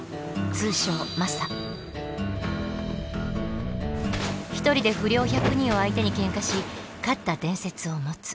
通称１人で不良１００人を相手にケンカし勝った伝説を持つ。